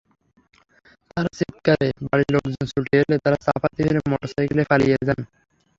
তাঁর চিৎকারে বাড়ির লোকজন ছুটে এলে তাঁরা চাপাতি ফেলে মোটরসাইকেলে পালিয়ে যান।